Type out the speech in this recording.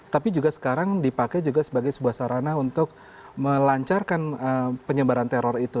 tapi juga sekarang dipakai juga sebagai sebuah sarana untuk melancarkan penyebaran teror itu